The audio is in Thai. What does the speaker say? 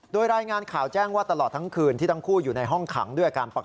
โดยรายงานข่าวแจ้งว่าตลอดทั้งคืนที่ทั้งคู่อยู่ในห้องขังด้วยอาการปกติ